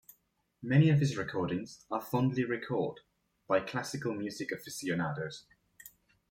Many of his recordings are fondly recalled by classical music aficionados.